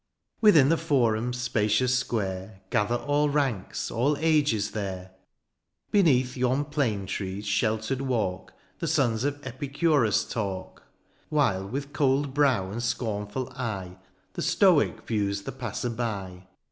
Within the forum*s spacious square Gather all ranks, all ages there ; Beneath yon plane trees' sheltered walk The sons of Epicurus talk ; While with cold brow and scornful eye The stoic views the passer by.